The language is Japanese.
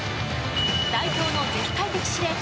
代表の絶対的司令塔